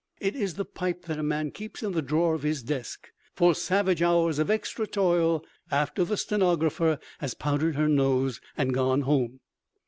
It is the pipe that a man keeps in the drawer of his desk for savage hours of extra toil after the stenographer has powdered her nose and gone home.